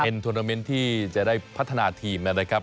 ทวนาเมนต์ที่จะได้พัฒนาทีมนะครับ